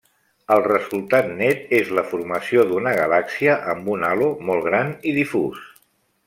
El resultat net és la formació d'una galàxia amb un halo molt gran i difús.